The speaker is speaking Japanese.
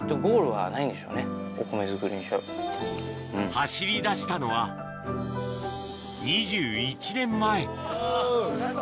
走りだしたのは２１年前・ラスト！